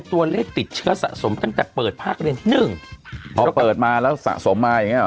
ตัวเลขติดเชื้อสะสมตั้งแต่เปิดภาคเรียนที่หนึ่งพอเปิดมาแล้วสะสมมาอย่างเงี้ห